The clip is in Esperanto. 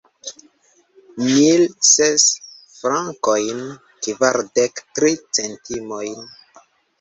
Mil ses frankojn, kvardek tri centimojn.